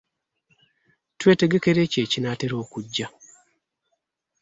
Twetegekera ekyo ekinaatera okujja.